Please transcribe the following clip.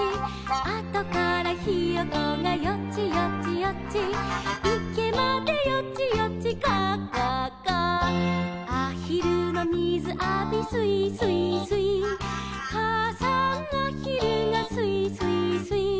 「あとからひよこがよちよちよち」「いけまでよちよちガァガァガァ」「あひるのみずあびすいすいすい」「かあさんあひるがすいすいすい」